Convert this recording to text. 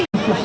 ini bu susi